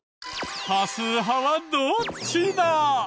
多数派はどっちだ？